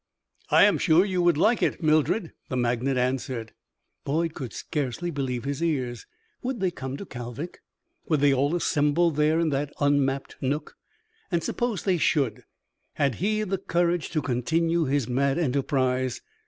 "I am sure you would like it, Mildred," the magnate added. Boyd could scarcely believe his ears. Would they come to Kalvik? Would they all assemble there in that unmapped nook? And suppose they should had he the courage to continue his mad enterprise?